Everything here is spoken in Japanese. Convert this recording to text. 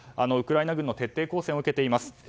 ウクライナ軍の徹底抗戦を受けています